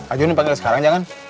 ajuni panggil sekarang jangan